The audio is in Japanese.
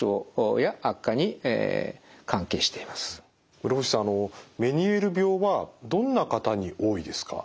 室伏さんあのメニエール病はどんな方に多いですか？